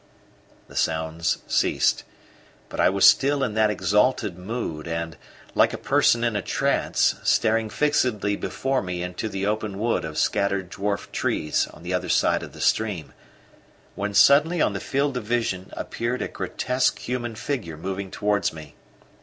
The sounds ceased, but I was still in that exalted mood and, like a person in a trance, staring fixedly before me into the open wood of scattered dwarf trees on the other side of the stream, when suddenly on the field of vision appeared a grotesque human figure moving towards me.